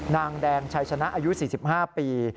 นางแดงชัยชนะอายุ๔๕ปี